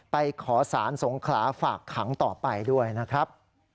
ไปขอสารสงขลาฝากขังต่อไปด้วยนะครับ